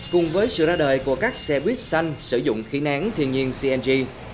cùng với sự ra đời của các xe buýt xanh sử dụng khí nén thiên nhiên cng